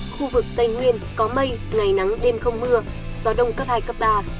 khu vực tây nguyên có mây ngày nắng đêm không mưa gió đông cấp hai cấp ba